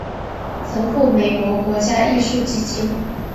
曾获美国国家艺术基金。